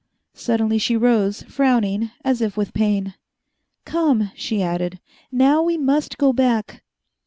Suddenly she rose, frowning, as if with pain. "Come," she added, "now we must go back."